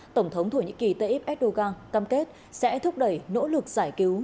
tổng thống thổ nhĩ kỳ tây íp edogan cam kết sẽ thúc đẩy nỗ lực giải cứu